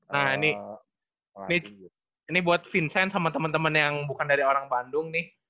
nah ini buat vincent sama teman teman yang bukan dari orang bandung nih